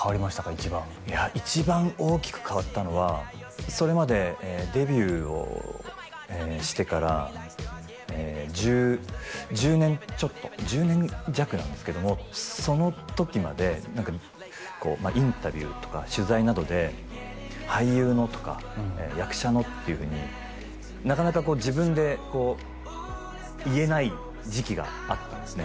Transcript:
一番一番大きく変わったのはそれまでデビューをしてから１０年ちょっと１０年弱なんですけどもその時までインタビューとか取材などで「俳優の」とか「役者の」っていうふうになかなか自分でこう言えない時期があったんですね